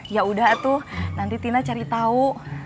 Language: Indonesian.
yaudah tuh nanti tina cari tau